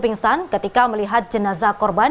pingsan ketika melihat jenazah korban